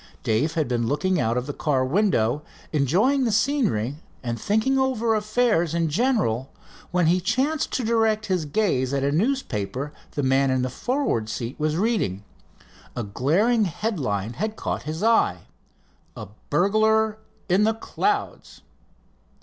Dave had been looking out of the car window enjoying the scenery and thinking over affairs in general, when he chanced to direct his gaze at a newspaper the man in the forward seat was reading. A glaring head line had caught his eye: "A Burglar In The Clouds."